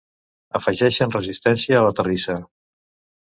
Afegeixen resistència a la terrissa.